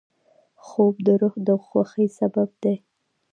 خوب د روح د خوښۍ سبب دی